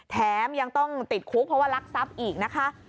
แถมยังต้องติดคุกเพราะว่ารักทรัพย์อีกนะคะ